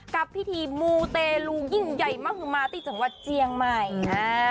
กับพิธีมูเตลูยิ่งใหญ่มหุมาที่จังหวัดเจียงใหม่